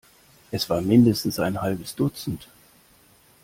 Es war mindestens ein halbes Dutzend.